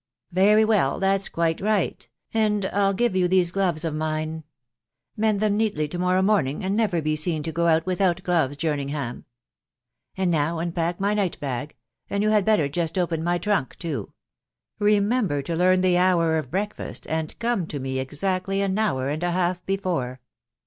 " Very well .... that's quite right, .... and I'll give you these gloves of mine. Mend them neatly to morrow morning, and never be seen to go out without gloves, Jerningham. .•. And now unpack my night bag, .... and you had better just open my trunk too. Remember to learn the hour of break fast, and come to me exactly an hour and a half before.